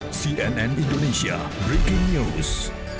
cnn indonesia breaking news